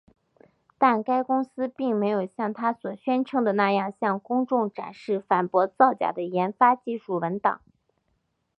但该公司并没有像它所宣称的那样向公众展示反驳造假的研发技术文档。